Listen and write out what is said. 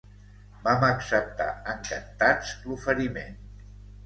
Vam acceptar encantats l'oferiment.